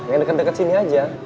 yang deket deket sini aja